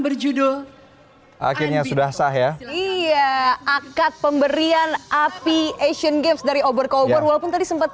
berjudul akhirnya sudah sah ya iya akad pemberian api asian games dari over cover walaupun tadi